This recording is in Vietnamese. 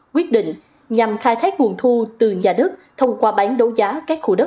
quyết định nhằm khai thác nguồn thu từ nhà đất thông qua bán đấu giá các khu đất